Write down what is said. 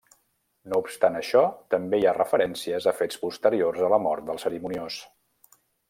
No obstant això, també hi ha referències a fets posteriors a la mort del Cerimoniós.